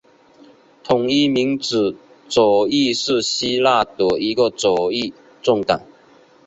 统一民主左翼是希腊的一个左翼政党。